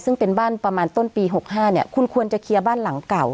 ซึ่งเป็นบ้านประมาณต้นปี๖๕เนี่ยคุณควรจะเคลียร์บ้านหลังเก่า